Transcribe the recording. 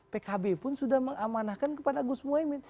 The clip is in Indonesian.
pkb pun sudah mengamanahkan kepada kusumo aimi